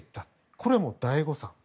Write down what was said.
これは大誤算。